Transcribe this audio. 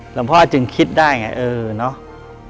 หลวงพ่อจึงคิดได้ไงเออเนาะ